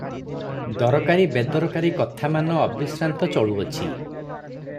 ଦରକାରୀ ବେଦରକାରୀ କଥାମାନ ଅବିଶ୍ରାନ୍ତ ଚଳୁଅଛି ।